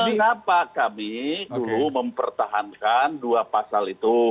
mengapa kami dulu mempertahankan dua pasal itu